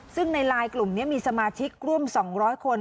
ซึ่งในไลน์กลุ่มนี้มีสมาชิกร่วม๒๐๐คน